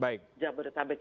dari jabodetabek ini